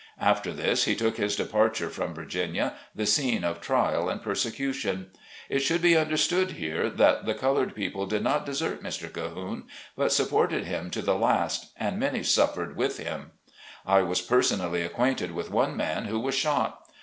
After this he took his departure from Virginia, the scene of trial and persecution. It should be understood here, that the colored peo ple did not desert Mr. Cahoone, but supported him to the last, and many suffered with him. I was per sonally acquainted with one man who was shot.